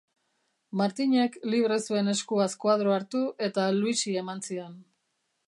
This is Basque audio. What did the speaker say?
Martinek libre zuen eskuaz koadroa hartu eta Luisi eman zion.